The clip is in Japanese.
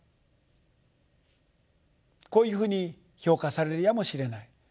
こういうふうに評価されるやもしれない。